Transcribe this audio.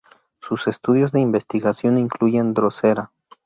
Sus estudios de investigación incluyen "Drosera".